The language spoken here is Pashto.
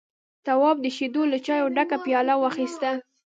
تواب د شيدو له چايو ډکه پياله واخيسته.